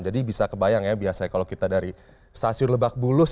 jadi bisa kebayang ya biasanya kalau kita dari stasiun lebak bulus